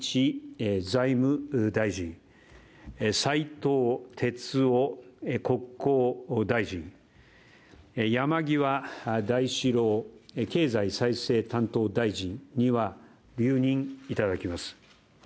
財務大臣、斉藤鉄夫国交大臣山際大志郎経済再生担当大臣には、留任いただきます。